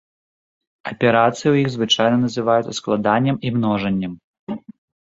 Аперацыі ў іх звычайна называюцца складаннем і множаннем.